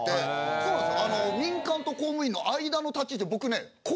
そうなんです。